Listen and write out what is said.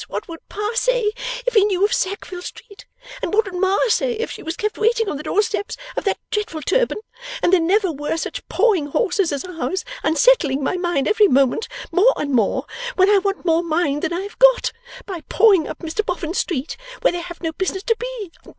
what would Pa say if he knew of Sackville Street, and what would Ma say if she was kept waiting on the doorsteps of that dreadful turban, and there never were such pawing horses as ours unsettling my mind every moment more and more when I want more mind than I have got, by pawing up Mr Boffin's street where they have no business to be.